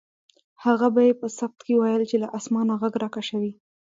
هغه به یې په صفت کې ویل چې له اسمانه غږ راکشوي.